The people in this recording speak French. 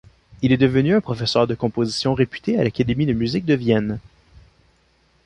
Il est devenu un professeur de composition réputé à l'Académie de Musique de Vienne.